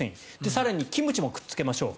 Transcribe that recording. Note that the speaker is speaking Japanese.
更にキムチもくっつけましょう。